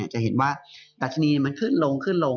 จะเห็นว่าดัชนีมันขึ้นลงขึ้นลง